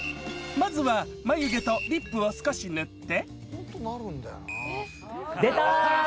まずは眉毛とリップを少し塗って。